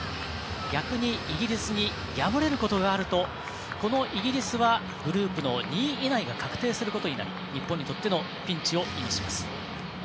逆にイギリスに敗れることがあるとこのイギリスはグループの２位以内が確定することになり日本にとってのピンチを意味します。